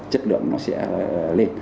chất lượng nó sẽ lên